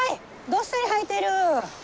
どっさり生えてる！